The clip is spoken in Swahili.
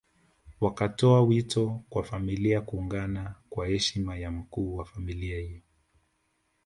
Wakatoa wito kwa familia kuungana kwa heshima ya mkuu wa familia yao